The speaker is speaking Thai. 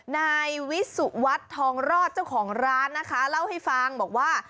นายวิสุวัฒน์ทองรอดเจ้าของร้านนะคะเล่าให้ฟังบอกว่า